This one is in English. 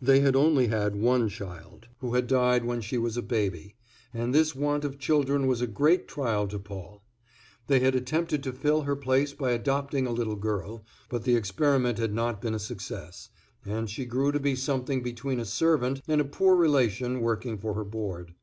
They had only had one child, who had died when she was a baby, and this want of children was a great trial to Paul. They had attempted to fill her place by adopting a little girl, but the experiment had not been a success, and she grew to be something between a servant and a poor relation working for her board.